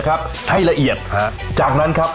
ให้ละเอียดฮะจากนั้นครับ